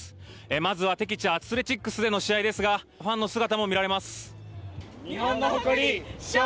まずは敵地アスレチックスでの試合ですがファンの姿も見られます。